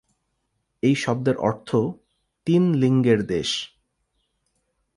এই শব্দের অর্থ "তিন লিঙ্গের দেশ"।